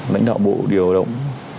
lãnh đạo bộ điều động